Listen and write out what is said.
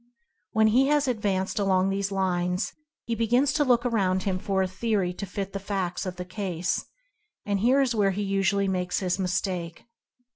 When he has advanced along these lines, he begins to look around him for a theory to fit the facts of the case, and here is where he usually makes his mistake.